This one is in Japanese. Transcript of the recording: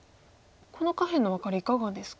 この下辺のワカレいかがですか？